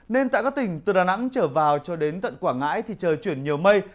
nên tại các tỉnh từ đà nẵng trở vào cho đến tận quảng ngãi thì trời chuyển nhiều mây